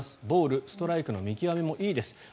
ボール、ストライクの見極めもいいです。